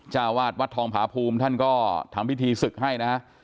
เจ้าวาดวัดทองผาภูมิท่านก็ทำพิธีศึกให้นะฮะ